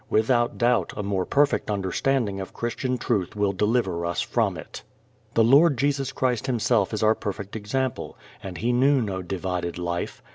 Without doubt a more perfect understanding of Christian truth will deliver us from it. The Lord Jesus Christ Himself is our perfect example, and He knew no divided life.